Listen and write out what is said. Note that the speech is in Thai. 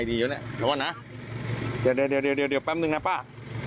เดี๋ยวเดี๋ยวเดี๋ยวเดี๋ยวเดี๋ยวเดี๋ยวแป๊บหนึ่งนะป้า